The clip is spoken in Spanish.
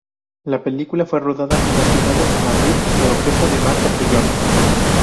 La película fue rodada en las ciudades de Madrid y Oropesa del Mar, Castellón.